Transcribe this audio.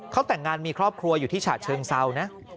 เขาแต่งงานมีครอบครัวอยู่ที่ฉะเชิงเซานะ